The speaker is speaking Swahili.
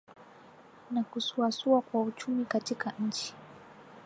na kusuasua kwa uchumi katika nchi